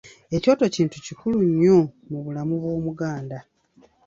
Ekyoto kintu kikulu nnyo mu bulamu bw’Omuganda.